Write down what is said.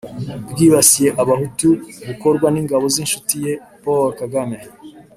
bwibasiye abahutu bukorwa n'ingabo z'incuti ye paul kagame.